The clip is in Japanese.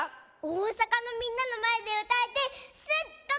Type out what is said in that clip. おおさかのみんなのまえでうたえてすっごくうれしかった！